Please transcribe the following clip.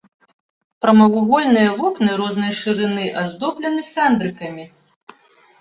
Прамавугольныя вокны рознай шырыні аздоблены сандрыкамі.